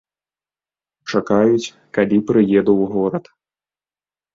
Чакаюць, калі прыеду ў горад.